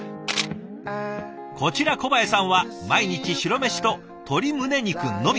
こちら小八重さんは毎日白飯と鶏胸肉のみ。